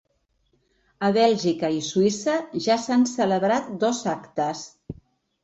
A Bèlgica i Suïssa ja s’han celebrat dos actes.